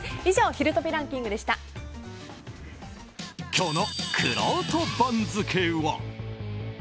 今日のくろうと番付は。